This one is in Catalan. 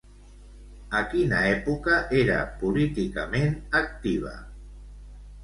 A quina època era políticament activa?